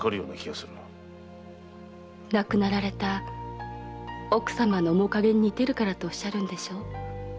亡くなられた奥様の面影に似てるからと言うのでしょ？